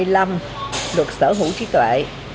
luật sở hữu trí tuệ